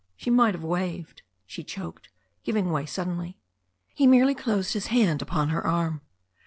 "She might have waved," she choked, giving way sud denly. He merely closed his hand upon her arm.